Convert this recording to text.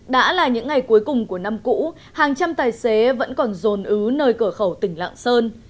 đã là những ngày cuối cùng của năm cũ hàng trăm tài xế vẫn còn dồn ứ nơi cửa khẩu tỉnh lạng sơn